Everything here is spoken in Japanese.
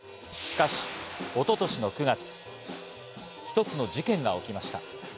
しかし、一昨年の９月、一つの事件が起きました。